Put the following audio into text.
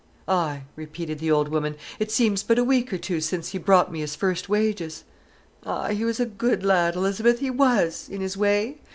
"Ay!" repeated the old woman, "it seems but a week or two since he brought me his first wages. Ay—he was a good lad, Elizabeth, he was, in his way.